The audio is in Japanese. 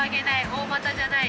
大股じゃない。